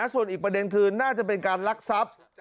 ส่วนอีกประเด็นคือน่าจะเป็นการลักทรัพย์